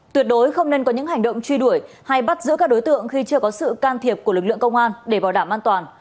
tuyệt đối không nên có những hành động truy đuổi hay bắt giữ các đối tượng khi chưa có sự can thiệp của lực lượng công an để bảo đảm an toàn